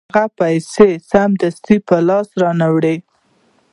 هغه پیسې سمدستي په لاس نه راوړي